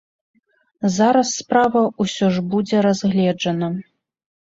Зараз справа ўсё ж будзе разгледжана.